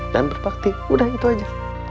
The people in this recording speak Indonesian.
dan berbakti udah itu aja